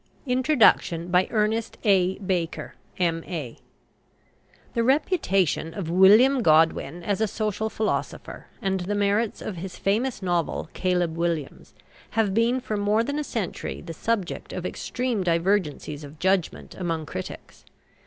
INTRODUCTION The reputation of WILLIAM GODWIN as a social philosopher, and the merits of his famous novel, "Caleb Williams," have been for more than a century the subject of extreme divergencies of judgment among critics.